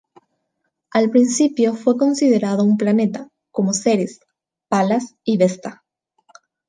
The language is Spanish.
Al principio fue considerado un planeta, como Ceres, Palas, y Vesta.